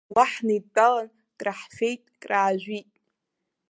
Уа ҳнеидтәалан, краҳфеит, краажәит.